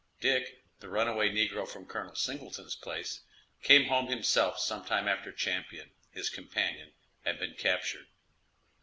Dick, the runaway negro from Col. Singleton's place, came home himself sometime after Champion, his companion, had been captured.